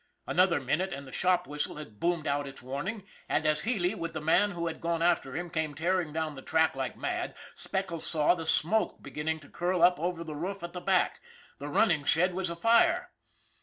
Another minute and the shop whistle had boomed out its warning, and as Healy, with the man who had gone after him, came tearing down the track like mad, Speckles saw the smoke beginning to curl up over the roof at the back. The running shed was afire.